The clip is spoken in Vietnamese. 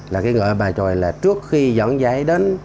là cái người bài tròi là trước khi dẫn dãi đến